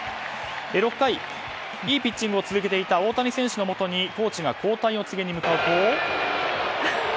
６回いいピッチングを続けていた大谷選手のもとにコーチが交代を告げに向かうと。